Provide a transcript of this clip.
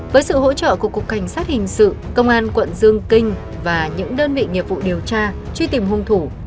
với sự hỗ trợ của cục cảnh sát hình sự công an quận dương kinh và những đơn vị nghiệp vụ điều tra truy tìm hung thủ